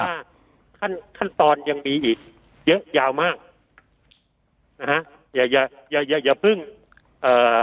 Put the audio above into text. ว่าขั้นขั้นตอนยังมีอีกเยอะยาวมากนะฮะอย่าอย่าเพิ่งเอ่อ